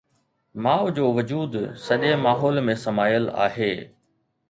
ماءُ جو وجود سڄي ماحول ۾ سمايل آهي.